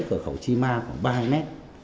của khẩu chí ma khoảng ba mươi mét